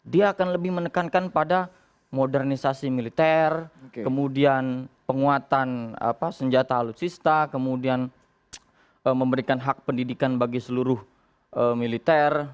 dia akan lebih menekankan pada modernisasi militer kemudian penguatan senjata alutsista kemudian memberikan hak pendidikan bagi seluruh militer